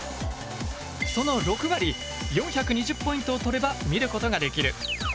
その６割４２０ポイントを取れば見ることができる。